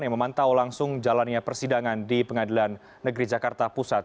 yang memantau langsung jalannya persidangan di pengadilan negeri jakarta pusat